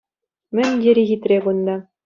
Мӗн тери хитре кунта!